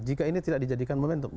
jika ini tidak dijadikan momentum